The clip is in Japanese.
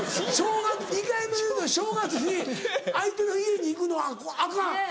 ２回目のデートで正月に相手の家に行くのはアカン！